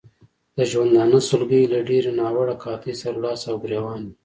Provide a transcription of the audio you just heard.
د ژوندانه سلګۍ له ډېرې ناوړه قحطۍ سره لاس او ګرېوان وې.